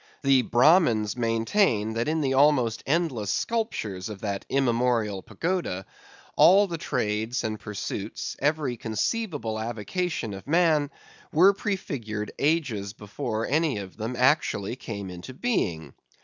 The Brahmins maintain that in the almost endless sculptures of that immemorial pagoda, all the trades and pursuits, every conceivable avocation of man, were prefigured ages before any of them actually came into being.